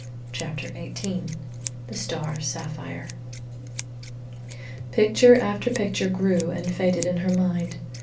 CHAPTER XVIII THE STAR SAPPHIRE Picture after picture grew and faded in her mind.